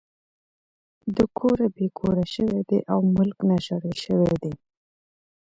د کوره بې کوره شوے دے او ملک نه شړلے شوے دے